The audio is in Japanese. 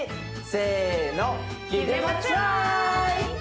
せの。